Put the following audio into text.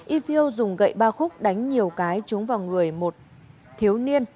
yfio dùng gậy ba khúc đánh nhiều cái trúng vào người một thiếu niên